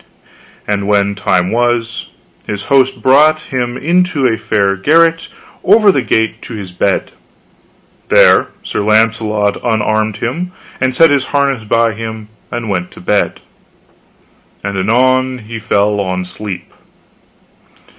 And when time was, his host brought him into a fair garret over the gate to his bed. There Sir Launcelot unarmed him, and set his harness by him, and went to bed, and anon he fell on sleep.